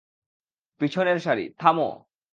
পিছনের সারি, থামো!